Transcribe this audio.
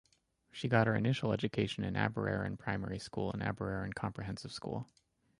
She got her initial education in Aberaeron Primary School and Aberaeron Comprehensive School.